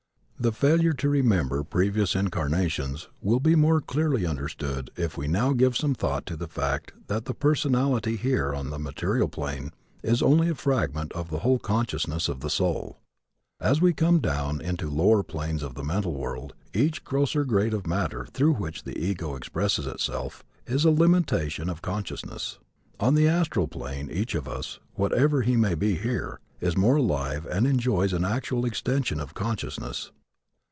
The failure to remember previous incarnations will be more clearly understood if we now give some thought to the fact that the personality here on the material plane is only a fragment of the whole consciousness of the soul. As we come down into lower planes from the mental world each grosser grade of matter through which the ego expresses itself is a limitation of consciousness. On the astral plane each of us, whatever he may be here, is more alive and enjoys an actual extension of consciousness.